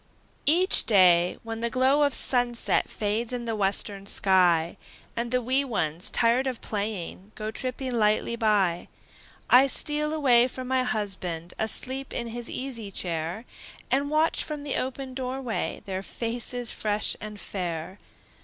Each day, when the glow of sunset Fades in the western sky, And the wee ones, tired of playing, Go tripping lightly by, I steal away from my husband, Asleep in his easy chair, And watch from the open door way Their faces fresh and fair.